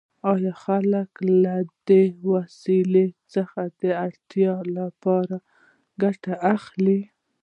آیا خلک له دې وسایلو څخه د اړتیاوو لپاره ګټه اخلي؟